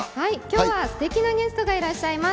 今日はステキなゲストがいらっしゃいます。